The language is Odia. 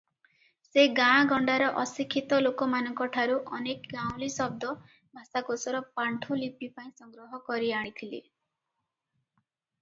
ସେ ଗାଆଁଗଣ୍ଡାର ଅଶିକ୍ଷିତ ଲୋକମାନଙ୍କଠାରୁ ଅନେକ ଗାଉଁଲି ଶବ୍ଦ ଭାଷାକୋଷର ପାଣ୍ଠୁଲିପି ପାଇଁ ସଂଗ୍ରହ କରିଆଣିଥିଲେ ।